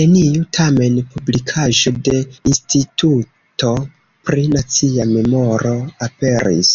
Neniu tamen publikaĵo de Instituto pri Nacia Memoro aperis.